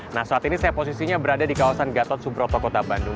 nah saat ini saya posisinya berada di kawasan gatot subroto kota bandung